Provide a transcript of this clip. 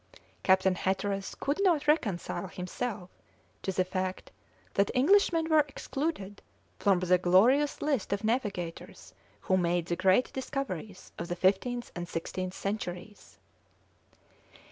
Captain Hatteras could not reconcile himself to the fact that Englishmen were excluded from the glorious list of navigators who made the great discoveries of the 15th and 16th centuries.